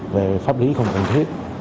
về pháp lý không cần thiết